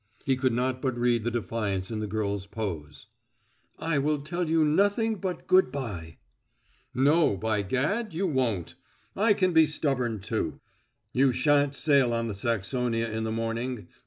He could not but read the defiance in the girl's pose. "I will tell you nothing but good by." "No, by gad you won't! I can be stubborn, too. You shan't sail on the Saxonia in the morning.